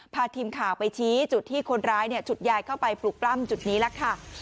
พาทีมข่าวไปชี้จุดที่คนร้ายฉุดยายเข้าไปปลุกปล้ำจุดนี้แล้วค่ะ